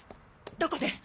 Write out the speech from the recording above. どこで？